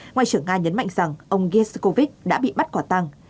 ngoại trưởng nga nhấn mạnh rằng ông gheskovic đã bị bắt quả tăng